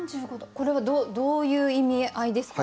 これはどういう意味合いですか？